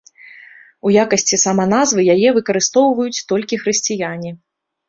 У якасці саманазвы яе выкарыстоўваюць толькі хрысціяне.